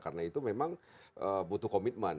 karena itu memang butuh komitmen